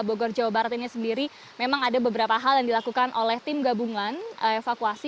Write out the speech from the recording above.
bogor jawa barat ini sendiri memang ada beberapa hal yang dilakukan oleh tim gabungan evakuasi